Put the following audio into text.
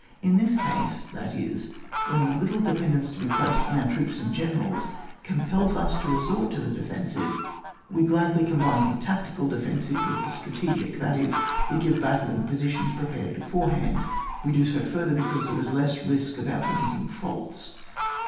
In this case, that is, when the little dependence to be placed on our troops and generals com pels us to resort to the defensive, we gladly combine the tactical defensive with the strategic, that is, we g^ve battle in positions prepared beforehand ; we do so further because there is less risk of our committing faults.